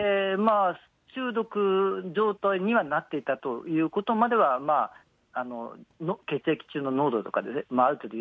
中毒状態にはなっていたということまでは、血液中の濃度とかである程度。